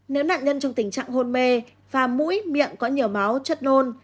nếu nạn nhân trong tình trạng hôn mê và mũi miệng có nhiều máu chất nôn